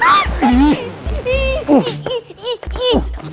mama ini medio nggak paket